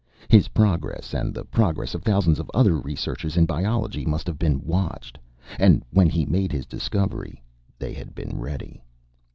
His progress, and the progress of thousands of other researchers in biology, must have been watched. And when he made his discovery, they had been ready.